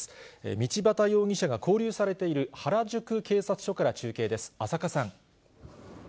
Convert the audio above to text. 道端容疑者が勾留されている原宿警察署から中継です。